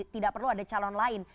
tidak perlu ada calon lain